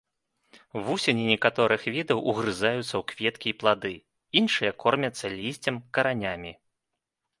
Вусені некаторых відаў угрызаюцца ў кветкі і плады, іншыя кормяцца лісцем, каранямі.